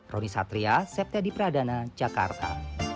roni satria septya di pradana jakarta